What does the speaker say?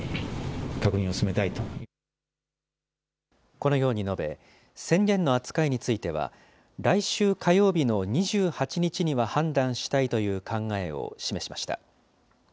このように述べ、宣言の扱いについては、来週火曜日の２８日には判断したいという考えを示しました。